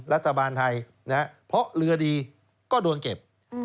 รัฐบาลไทยเพราะเรือดีก็โดนเก็บ